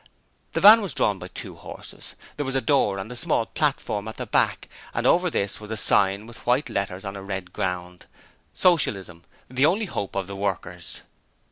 The van was drawn by two horses; there was a door and a small platform at the back and over this was a sign with white letters on a red ground: 'Socialism, the only hope of the Workers.'